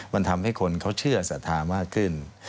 มันทำให้คนเขาเชื่อศรัทธามากขึ้น